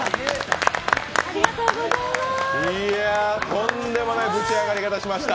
とんでもないブチ上がり方しました。